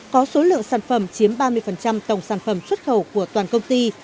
có số lượng sản phẩm chiếm ba mươi tổng sản phẩm xuất khẩu của toàn công ty